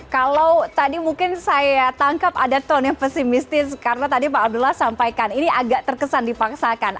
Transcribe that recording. kalau tadi mungkin saya tangkap ada tone yang pesimistis karena tadi pak abdullah sampaikan ini agak terkesan dipaksakan